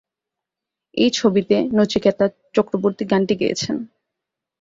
এই ছবিতে নচিকেতা চক্রবর্তী গানটি গেয়েছেন।